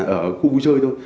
ở khu vui chơi thôi